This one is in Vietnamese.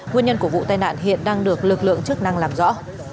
nguyên nhân của vụ tai nạn hiện đang được lực lượng chức năng làm rõ